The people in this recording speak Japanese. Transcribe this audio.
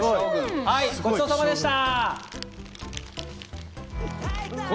ごちそうさまでした！